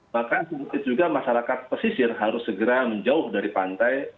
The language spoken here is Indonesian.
bahkan juga masyarakat pesisir harus segera menjauh dari pantai